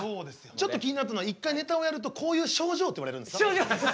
ちょっと気になったのは一回ネタをやるとこういう症状っていわれるんですね。